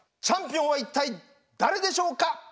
チャンピオンは一体誰でしょうか。